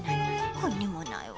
ここにもないわ。